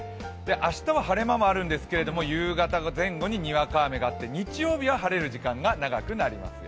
明日は晴れ間もあるんですけど、夕方前後ににわか雨があって日曜日は晴れる時間が長くなりますよ。